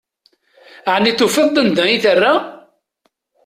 Ɛni tufiḍ-d anda i terra?